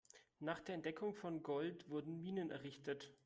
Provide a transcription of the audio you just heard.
Nach der Entdeckung von Gold wurden Minen errichtet.